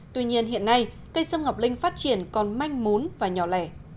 tuy nhiên hiện nay cây sâm ngọc linh phát triển còn manh muốn và nhỏ lẻ